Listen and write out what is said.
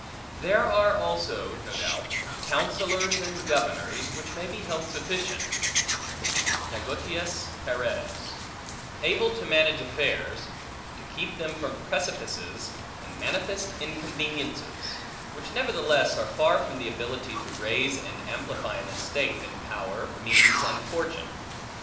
There are also (no doubt) counsellors and governors which may be held sufficient (negotiis pares), able to manage affairs, and to keep them from precipices and manifest inconveniences; which nevertheless are far from the ability to raise and amplify an estate in power, means, and fortune.